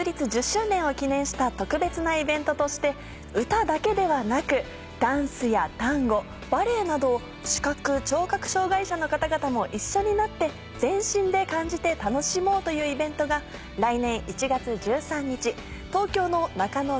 １０周年を記念した特別なイベントとして歌だけではなくダンスやタンゴバレエなどを視覚・聴覚障がい者の方々も一緒になって全身で感じて楽しもうというイベントが来年１月１３日東京の「なかのＺＥＲＯ」